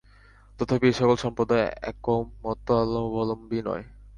তথাপি এই-সকল সম্প্রদায় একমতাবলম্বী নয়।